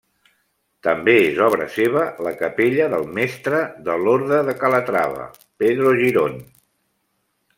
També és obra seva la capella del mestre de l'orde de Calatrava Pedro Girón.